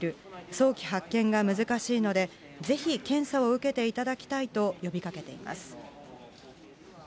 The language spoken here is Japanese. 早期発見が難しいので、ぜひ検査を受けていただきたいと呼びかけています。